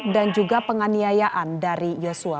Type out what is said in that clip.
dan juga penganiayaan dari yosua